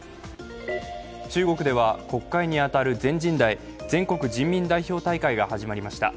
中国では国会に当たる全人代＝全国人民代表大会が始まりました。